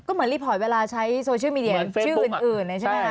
เหมือนรีพอร์ตเวลาใช้โซเชียลมีเดียชื่ออื่นเลยใช่ไหมคะ